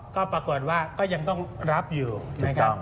ก็ปรากฏว่าก็ยังต้องรับอยู่นะครับ